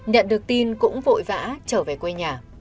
nhận được tin cũng vội vã trở về quê nhà